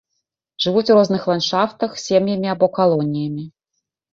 Жывуць у розных ландшафтах, сем'ямі або калоніямі.